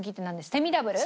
セミダブル。